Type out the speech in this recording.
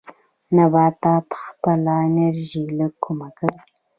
نباتات خپله انرژي له کومه کوي؟